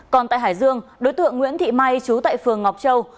còn tại hải dương đối tượng nguyễn thị may chú tại phường ngọc châu